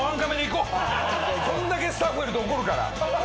こんだけスタッフがいると怒るから。